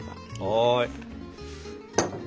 はい。